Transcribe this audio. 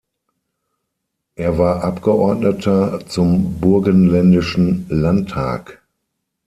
Er war Abgeordneter zum Burgenländischen Landtag.